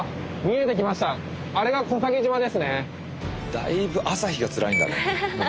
だいぶ朝日がつらいんだね。